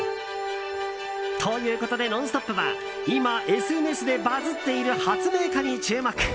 ということで「ノンストップ！」は今ＳＮＳでバズっている発明家に注目。